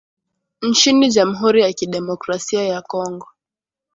nchini jamhuri ya kidemokrasia ya Kongo